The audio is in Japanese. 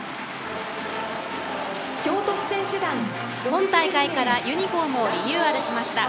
今大会からユニフォームをリニューアルしました。